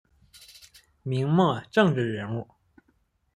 明末政治人物。